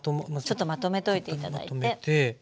ちょっとまとめといて頂いて。